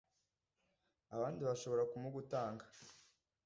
abandi bashobora kumugutanga